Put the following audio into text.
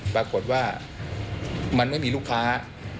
ปรากฏว่ามันไม่มีลูกค้า